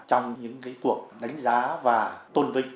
trong những cái cuộc đánh giá và tôn trọng